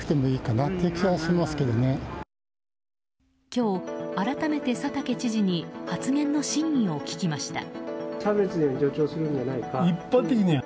今日改めて佐竹知事に発言の真意を聞きました。